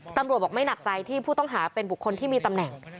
ตำรวจบอกไม่หนักใจที่ผู้ต้องหาเป็นบุคคลที่มีตำแหน่ง